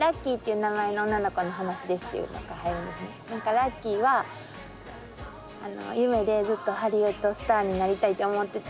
ラッキーは夢でずっとハリウッドスターになりたいって思ってて。